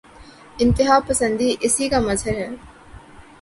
انتہاپسندی اسی کا مظہر ہے۔